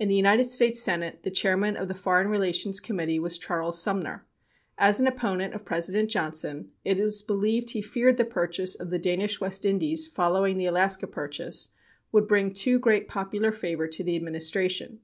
In the United States Senate the chairman of the Foreign Relations Committee was Charles Sumner. As an opponent of President Johnson, it is believed he feared the purchase of the Danish West Indies, following the Alaska purchase, would bring too great popular favor to the Administration.